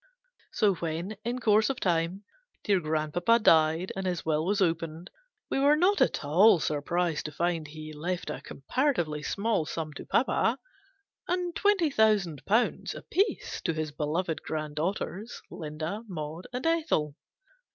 So when, in course of time, dear grandpapa GENERAL PASSAVANT'S WILL. 319 died, and his will was opened, we were not at all surprised to find he left a comparatively small sum to papa, and twenty thousand pounds apiece to his beloved grand daughters, Linda, Maud, and Ethel.